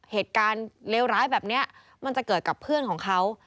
เหตุการณ์เลวร้ายแบบนี้มันจะเกิดกับเพื่อนของเขา